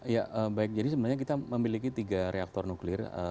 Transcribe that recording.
ya baik jadi sebenarnya kita memiliki tiga reaktor nuklir